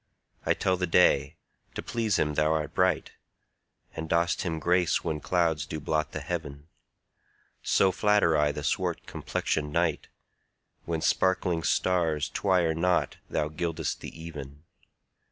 I tell the day, to please him thou art bright, And dost him grace when clouds do blot the heaven: So flatter I the swart complexion'd night, When sparkling stars twire not thou gild'st the even.